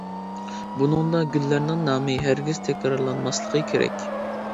بۇنىڭدا گۈللەرنىڭ نامى ھەرگىز تەكرارلانماسلىقى كېرەك.